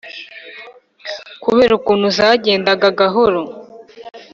kubera ukuntu zagendaga gahoro,